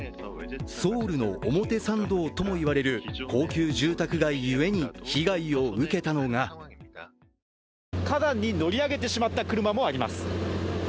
ソウルの表参道とも言われる高級住宅街ゆえに被害を受けたのが花壇に乗り上げてしまった車もあります。